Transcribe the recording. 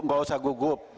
gak usah gugup